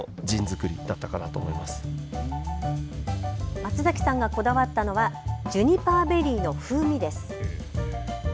松崎さんがこだわったのはジュニパーベリーの風味です。